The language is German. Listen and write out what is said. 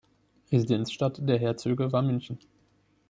Residenzstadt der Herzöge war München.